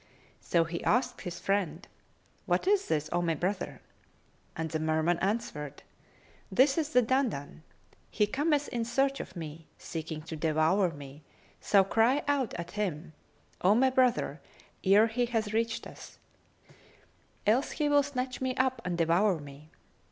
So he asked his friend, "What is this, O my brother?"; and the Merman answered, "This is the Dandan. He cometh in search of me, seeking to devour me; so cry out at him, O my brother, ere he reach us; else he will snatch me up and devour me."